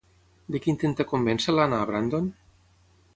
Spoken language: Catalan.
De què intenta convèncer Lana a Brandon?